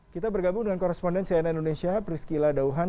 kita bergabung dengan koresponden cnn indonesia priscila dauhan